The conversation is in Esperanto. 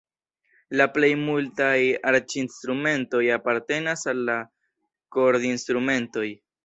La plej multaj arĉinstrumentoj apartenas al la kordinstrumentoj.